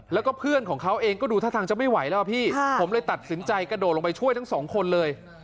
แล้วก็เพื่อนของเขาเองก็ดูท่าทางจะไม่ไหวแล้วพี่ผมเลยตัดสินใจกระโดดลงไปช่วยทั้งสองคนเลย